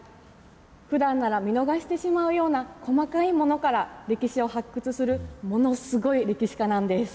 ふだんなら見逃してしまうような細かいものから、歴史を発掘するものすごい歴史家なんです。